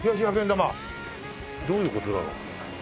玉どういう事だろう？